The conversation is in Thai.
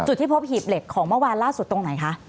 ที่พบหีบเหล็กของเมื่อวานล่าสุดตรงไหนคะ